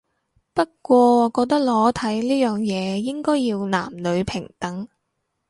不過我覺得裸體呢樣嘢應該要男女平等